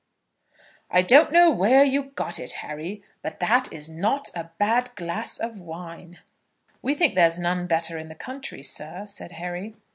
"I don't know where you got it, Harry, but that is not a bad glass of wine." "We think there's none better in the country, sir," said Harry.